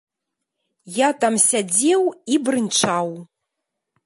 Я там сядзеў і брынчаў.